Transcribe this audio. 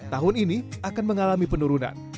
tahun ini akan mengalami penurunan